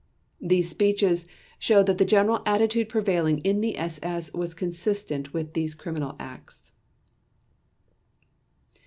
These speeches show that the general attitude prevailing in the SS was consistent with these criminal acts.